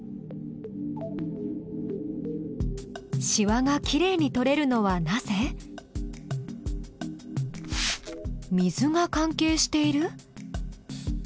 しわがきれいに取れるのはなぜ？水が関係している？